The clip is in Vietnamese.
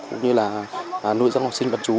cũng như là nuôi dân học sinh bật chú